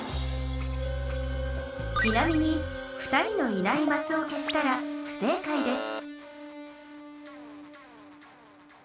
ちなみに２人のいないマスをけしたら不正解です